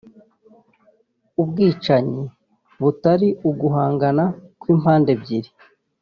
« Ubwicanyi butari uguhangana kw’impande ebyiri »